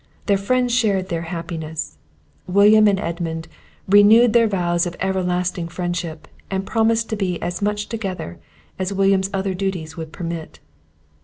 Their friends shared their happiness; William and Edmund renewed their vows of everlasting friendship, and promised to be as much together as William's other duties would permit.